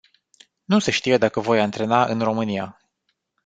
Nu se știe dacă voi antrena în România.